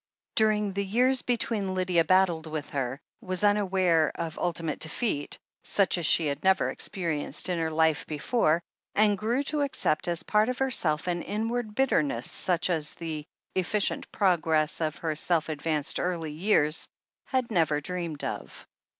During the years between Lydia battled with her, was aware of ultimate defeat, such as she had never experienced in her life before, and grew to accept as part of herself an inward bitterness such as the 342 THE HEEL OF ACHILLES 343 efficient progress of her self advanced early years had never dreamed of.